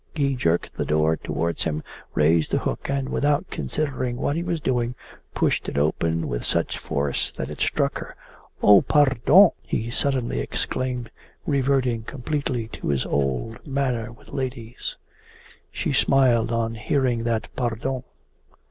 He jerked the door towards him, raised the hook, and without considering what he was doing, pushed it open with such force that it struck her. 'Oh PARDON!' he suddenly exclaimed, reverting completely to his old manner with ladies. She smiled on hearing that PARDON.